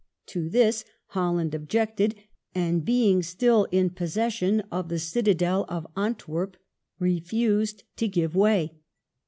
To this Holland ob jected, and being still in possession of the citadel of Antwerp refused to give way.